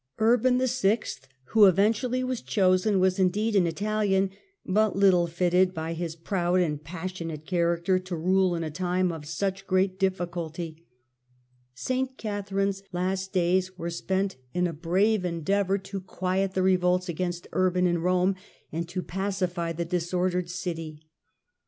Urban VI., who eventually was chosen, was in deed an Italian, but little fitted by his proud and pas sionate character to rule in a time of such great difficulty. St. Catherine's last days were spent in a brave endeavour 90 THE END OF THE MIDDLE AGE to quiet the revolts against Urban in Kome, and to pacify the disordered city.